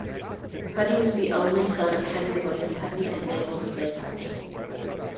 Pudney was the only son of Henry William Pudney and Mabel Sleigh Pudney.